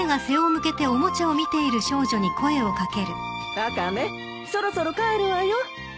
ワカメそろそろ帰るわよ。